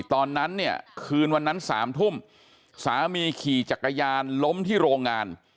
ตอนนั้นเนี่ยคืนวันนั้น๓ทุ่มสามีขี่จักรยานล้มที่โรงงาน